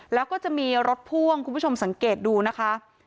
แล้วก็จะมีรถพ่วงคุณผู้ชมสังเกตดูนะคะ